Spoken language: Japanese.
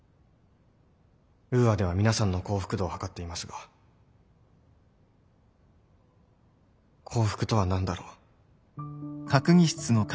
ウーアでは皆さんの幸福度をはかっていますが幸福とは何だろう。